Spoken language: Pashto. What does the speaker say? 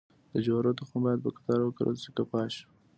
د جوارو تخم باید په قطار وکرل شي که پاش؟